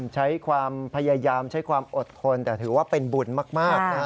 ใช้ความพยายามใช้ความอดทนแต่ถือว่าเป็นบุญมากนะ